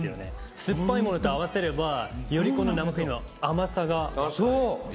酸っぱいものと合わせればよりこの生クリームの甘さが。